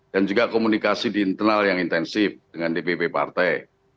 dan juga komunikasi di internal yang intensif dengan dpp partai